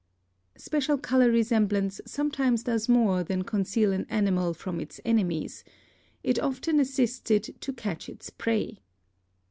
Special color resemblance sometimes does more than conceal an animal from its enemies; it often assists it to catch its prey.